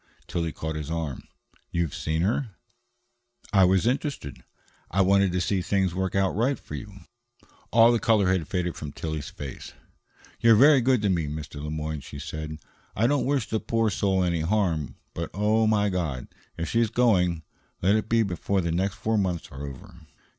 Tillie caught his arm. "You've seen her?" "I was interested. I wanted to see things work out right for you." All the color had faded from Tillie's face. "You're very good to me, Mr. Le Moyne," she said. "I don't wish the poor soul any harm, but oh, my God! if she's going, let it be before the next four months are over."